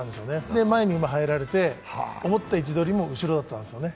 で、前に馬、入られて、思った地取りよりも後ろだったんですね。